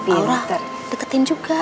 aura deketin juga